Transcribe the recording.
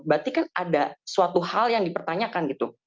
berarti kan ada suatu hal yang dipertanyakan gitu